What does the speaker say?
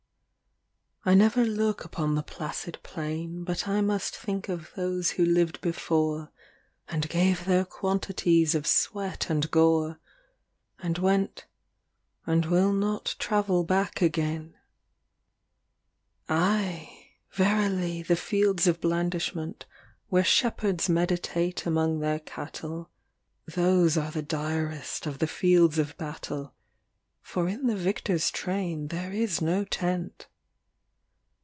LV I never look upon the placid plain But I must think of those who lived before And gave their quantities of sweat and gore, And went and will not travel back again. LVI Aye ! verily, the fields of blandishment Whore shepherds meditate among their cattle, Those are the direst of the fields of battle, For in the victorŌĆÖs train there is no tent.